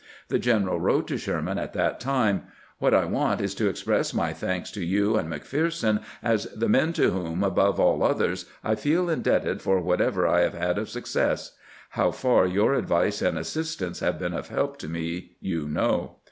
The general wrote to Sherman at that time :" What I want is to express my thanks to you and McPherson as the men to whom, above all others, I feel indebted for whatever I have had of success. How far your advice and assistance have been of help to me you know.